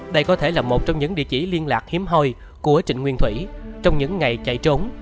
đây có thể là một trong những địa chỉ liên lạc hiếm hoi của trịnh nguyên thủy trong những ngày chạy trốn